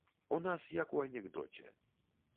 У нас як у анекдоце.